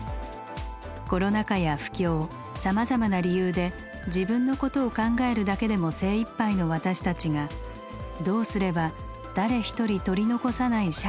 コロナ禍や不況さまざまな理由で自分のことを考えるだけでも精いっぱいの私たちがどうすれば「誰一人取り残さない」